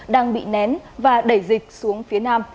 đang bị nén và đẩy dịch xuống phía nam